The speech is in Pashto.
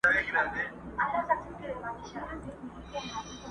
هغه راغی لکه خضر ځلېدلی!